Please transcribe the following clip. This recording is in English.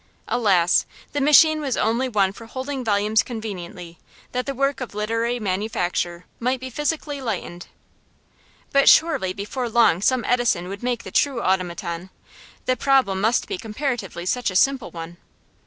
Alas! the machine was only one for holding volumes conveniently, that the work of literary manufacture might be physically lightened. But surely before long some Edison would make the true automaton; the problem must be comparatively such a simple one.